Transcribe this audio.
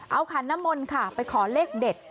เอาขันน้ำมนต์ค่ะไปขอเลขเด็ด